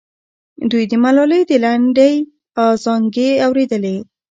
دوی د ملالۍ د لنډۍ ازانګې اورېدلې.